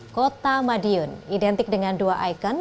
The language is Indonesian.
kota madiun identik dengan dua ikon